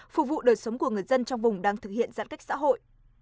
phục vụ đời sống của người dân trong vùng đang thực hiện giãn cách xã hội